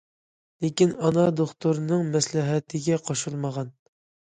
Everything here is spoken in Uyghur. لېكىن ئانا دوختۇرنىڭ مەسلىھەتىگە قوشۇلمىغان.